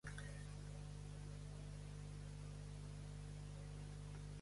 Sus dirigentes sellan así un acuerdo de marchar juntos.